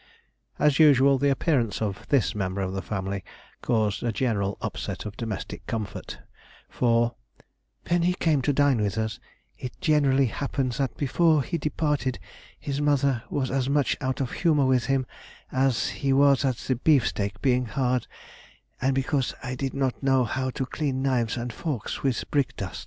As usual the appearance of this member of the family caused a general upset of domestic comfort, for "when he came to dine with us, it generally happened that before he departed his mother was as much out of humour with him as he was at the beefsteaks being hard, and because I did not know how to clean knives and forks with brickdust."